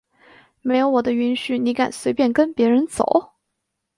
没有我的允许你敢随便跟别人走？！